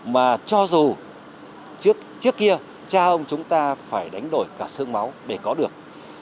mà cho dù trước kia cha ông chúng ta phải đánh đổi cả xương máu để có được